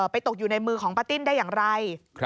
ตกอยู่ในมือของป้าติ้นได้อย่างไร